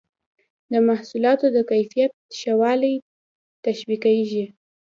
د محصولاتو د کیفیت ښه والی تشویقیږي.